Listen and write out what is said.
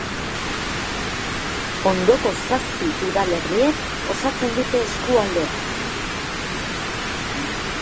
Ondoko zazpi udalerriek osatzen dute eskualdea.